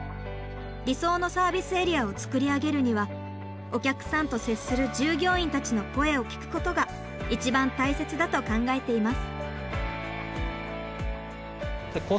理想のサービスエリアを作り上げるにはお客さんと接する従業員たちの声を聞くことが一番大切だと考えています。